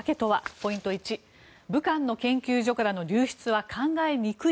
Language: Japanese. ポイント１武漢の研究所からの流出は考えにくい。